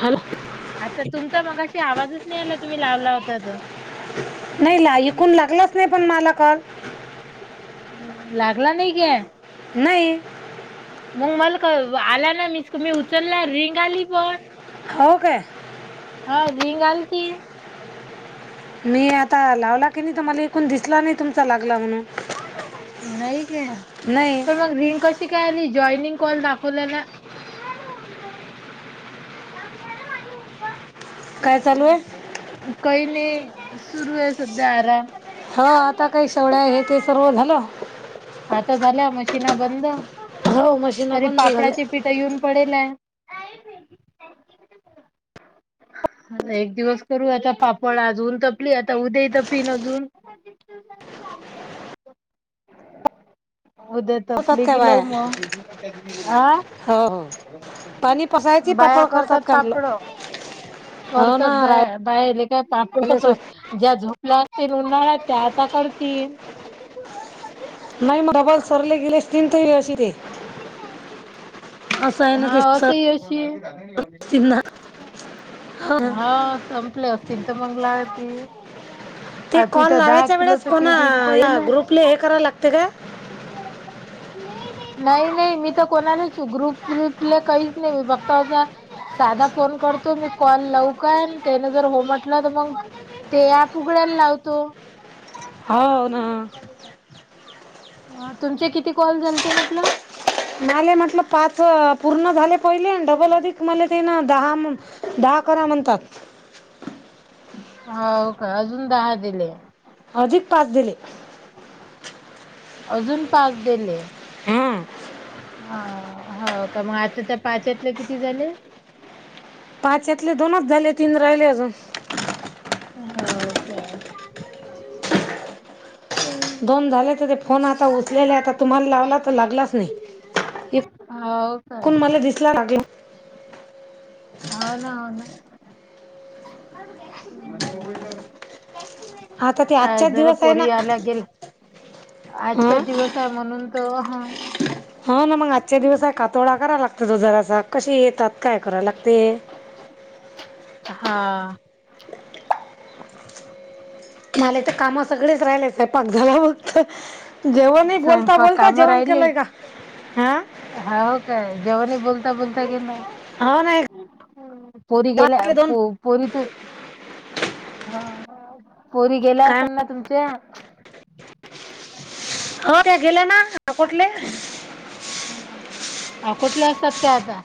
Hello आता तुमचा मगाशी आवाजच नाही आला तुम्ही लावला होता तो. नाही ला ऐकून लागलाच नाही पण मला कॉल. लागला नाही क्या नाही. मग मला का आला ना मिस मी उचला रिंग आली पण हाव काय. हा रिंग आल की मी आता लावला की नाही तुम्हाला एकूण दिसला नाही तुमचा लागला म्हणून. नाही गं नाही पण मला रिंग कशी काय आली? जॉईनिंग कॉल दाखवला ना काय चालू आहे काय नाही. सुरू आहे सध्या आराम. हो आता काय शेवळ्या हे ते सर्व झालं? आता झाल्या मशीना बंद हो मशीन तरी बंद झाल्या पापडाची पिठ येऊन पडेल. [inaudible] एक दिवस करू आता पापड अजून तपली आता उद्या ही तपीन अजून. [unintelligible] उद्या होतात तपली काय कि लव बाया म हा हो हो पाणी पसायची बाया पापड करतात का म्हटलं पापड. हो ना करतात बया राहिले बाय लेका पापड सोय [unintelligible] ज्या झोपल्या तीन उन्हाळ्या त्या आता करतीन. नाही म डबा विसरले गेले आसतीन त अशी ते. असं आहे ना हा ते सर असही अशी. असतील ना हो ना. हा संपले असतील त मंग लागती. ते कॉल लावायच्या वेळेस कोणा पीठ येऊन पडेल या ग्रुपले हे करा लागते काय? [inaudible] नाही नाही मी त कोणालाच ग्रुप ब्रिपल काहीच नाही फक्त असा साधा फोन कर तो मी कॉल लावूका त्यान जर हो म्हटलं तर मग ते अँप उघड्याला लावतो. हाव ना. तुमचे किती कॉल झालते म्हटलं? मले म्हटलं पाच पूर्ण झाले पहिले डबल अधिक मले ते ना दहा दहा करा म्हणतात. हो का अजून दहा दिले. अधिक पाच दिले. अजून पाच दिले. हम. हा हो का मग आता त्या पाचतले किती झाले. पाच यातले दोनच झाले तीन राहिले अजून. हो का? दोन झाले तर ते. फोन आता उचलेला आता तुम्हाला लावला तर लागलाच नाही हो का मला दिसल. ग. [unintelligible] अन हो ना. आता ते काय आजच्याच जरा दिवस आहे ना पोरी आल्या गेल आजचा हा दिवस आहे म्हणून? त हा. हा ना मग आजच्या दिवस आहे कातोडा करा लागत. तो जरा कशी येतात काय करा लागते. हा. मला तर कामा सगळेच राहिलेच आहे पाक झाला मगत. जेवणही बोलता स्वयंपाक बोलता जेवण केलंय का हा. हा हो काय जेवणी बोलता बोलता गे ना. हो नाही पोरी गेल्या घरातले दोन प पोरीत. पोरी गेल्या काय असेल ना म्हण- तुमच्या? हो त्या गेल्या ना कुठले. अ कुठले असतात का आता.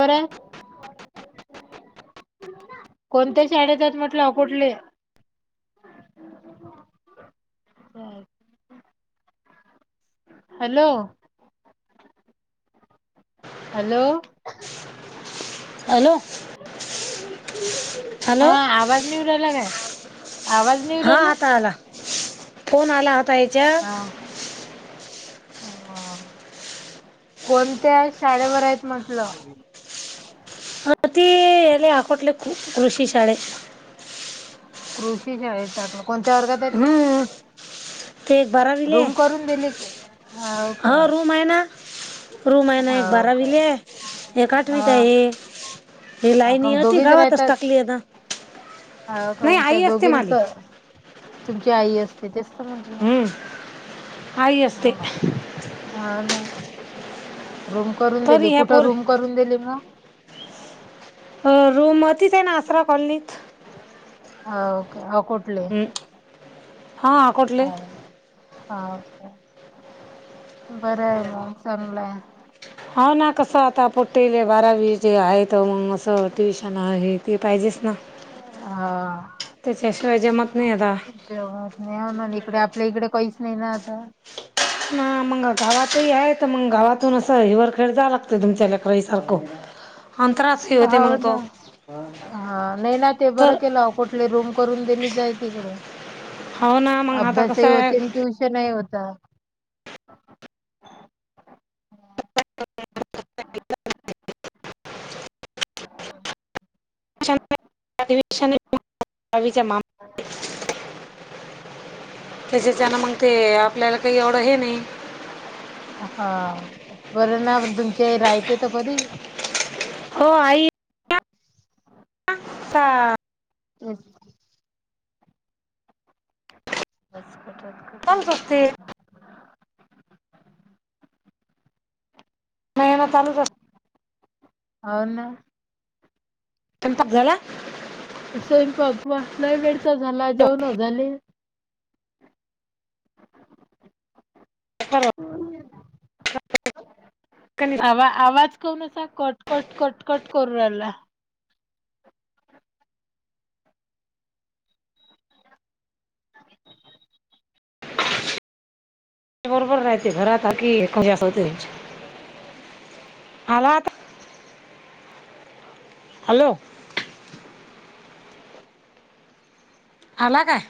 को. कोणत्या शाळेतात म्हटलं कुठले. ब. हॅलो. हॅलो. हॅलो. हा हॅलो आवाज निवडयला काय? आवाज नई येऊन हा राहिला. आता आला फोन आला आता हिच्यात. ह. कोणत्या शाळेवर आहेत म्हटलं? अती आले कूठले कृषी शळेत. कृषी शाळेत टाकलं कोणत्या वर्गात आहेत त्या. हम्म ते एक बारावीले का हो रूम आहे ना. रूम आहे ना एक हो काय बारावीला आहे एक आठवीचा हा आहे. ही का लाईनी मग होती गावातच टाकली आहे ना. हा का नाही त्या आई असते दोघी माली तर तुमची आई असते तेचत म्हटलं ना हम्म आई असते ह अ ना रूम करून तरी दिली ह्या कुठं पोर रूम करून दिली मग अ रोमतीच आहे ना आसरा कॉलनीत हा ओके ह कठले हम्म. हा कोठले हाक बर आहे मग चांगलाय होा ना कस आता पटेले बारावी जे आहेत मग अस ट्युशन आहे ते पाहिजे बिचना हा तेच्या शिवाय माग जेवात नाही म्ह इकडे आपल्या इकडे काहीच नाही ना आता ना मग गावातही आहे तर मग गावातून अस हिवरखेड जा लागतो तुमच्या लेकराई सारखं अंतरा हो ना हा नाही ना ते बरं तर केलं कुठले रूम करून दिली जाय तिकडे हो ना मग आता अभ्यास ही कसं आहे होती ट्यूशनही होता अधिवेश [unintelligible] जमा [inaudible] त्यासेचना मग ते आपल्याला काही एवढं हे नाही हा बरं ना तुमचे रायते तर कधी हो आई हा [inaudible] चालत असते [unintelligible] नाही ना चालूच हो ना [unintelligible] झाला स्वयंपाक वा लय वेडचा झाला जेवण झाले आवा आवाज कोनाचा कट कट कट कट करून रायला [inaudible] बरोबर राहयचे घरात की एख जास होते आला आता हॅलो अला काय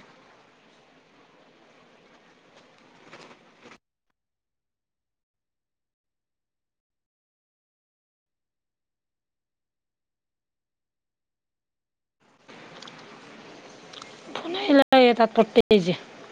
[unintelligible] पटतेज